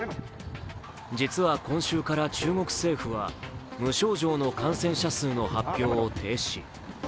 実は今週から中国政府は無症状の感染者数の発表を停止。